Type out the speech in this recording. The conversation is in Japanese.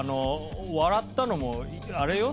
笑ったのもあれよ。